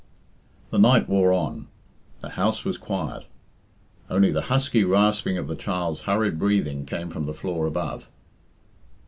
The night wore on; the house was quiet; only the husky rasping of the child's hurried breathing came from the floor above.